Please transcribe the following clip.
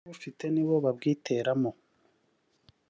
n’ababufite nibo babwiteramo